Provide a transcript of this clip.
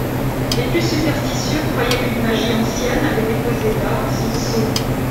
Les plus superstitieux croyaient qu’une magie ancienne avait déposé là son sceau.